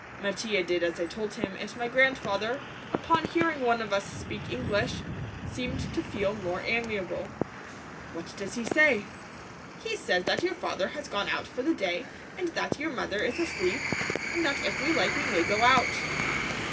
Mattia did as I told him, and my grandfather, upon hearing one of us speak English, seemed to feel more amiable. "What does he say?" "He says that your father has gone out for the day and that your mother is asleep, and that if we like we may go out."